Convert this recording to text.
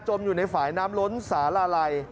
อยู่ในฝ่ายน้ำล้นสาลาลัย